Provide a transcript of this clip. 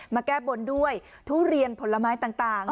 มาแก้บนด้วยทุเรียนผลไม้ต่าง